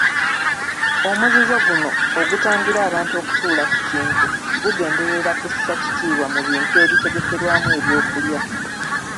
Omuzizo guno ogutangira abantu okutuula ku kintu gugenderera kussa kitiibwa mu bintu ebitegekerwamu ebyokulya.